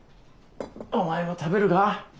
お前も食べるか？